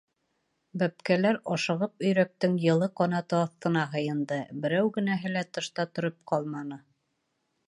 Бәпкәләр, ашығып, өйрәктең йылы ҡанаты аҫтына һыйынды, берәү генәһе лә тышта тороп ҡалманы.